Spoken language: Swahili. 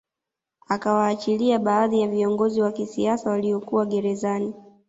Akawaachilia baadhi ya viongozi wa kisiasa walio kuwa gerezani